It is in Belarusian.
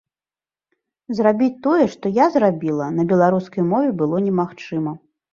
Зрабіць тое, што я зрабіла, на беларускай мове было немагчыма.